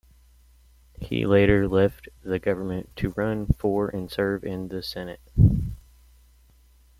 He later left the government to run for and serve in the Senate.